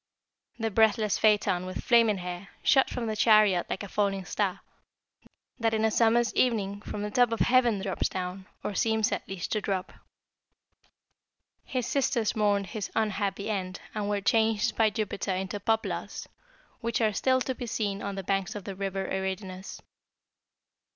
The breathless Phaeton, with flaming hair, Shot from the chariot like a falling star That in a summer's evening from the top Of heaven drops down, or seems at least to drop.' "His sisters mourned his unhappy end, and were changed by Jupiter into poplars, which are still to be seen on the banks of the River Eridanus.